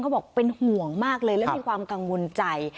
บอกเป็นห่วงมากเลยและมีความกังวลใจ